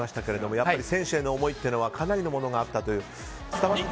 やっぱり選手への思いというのはかなりのものがあったと。